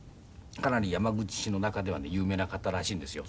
かなり山口市の中では有名な方らしいんですよ。